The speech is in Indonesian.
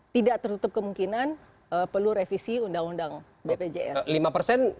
tidak tertutup kemungkinan perlu revisi undang undang bpjs